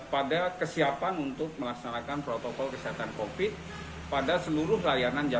pada kesiapan untuk melaksanakan protokol kesehatan covid sembilan belas pada seluruh layanan jasa usahanya